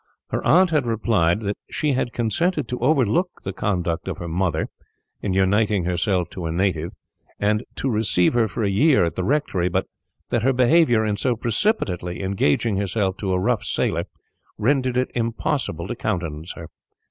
Her aunt had replied that she had consented to overlook the conduct of her mother, in uniting herself to a native, and to receive her for a year at the rectory; but that her behaviour, in so precipitately engaging herself to a rough sailor, rendered it impossible to countenance her.